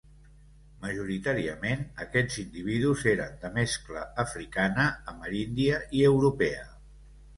Majoritàriament aquests individus eren de mescla africana, ameríndia i europea.